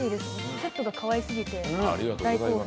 セットがかわいすぎて大興奮。